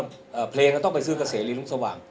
อ่าเพลงเราต้องไปซื้อกระเสรีลุ้งสว่าง